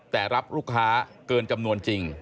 แต่รับลูกค้าเกินจำนวนจริง